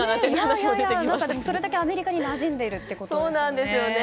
それだけアメリカになじんでいるということですね。